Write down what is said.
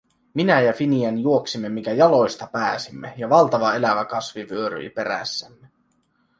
Minä ja Finian juoksimme, minkä jaloista pääsimme ja valtava elävä kasvi vyöryi perässämme.